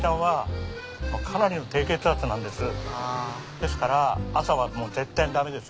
ですから朝はもう全然ダメです。